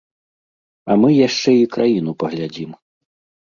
А мы яшчэ і краіну паглядзім!